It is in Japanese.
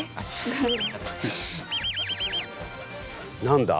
何だ？